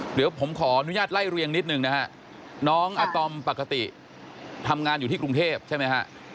เดี๋ยวผมขออนุญาตไล่เรียงนิดนึงนะฮะน้องอาตอมปกติทำงานอยู่ที่กรุงเทพใช่ไหมฮะ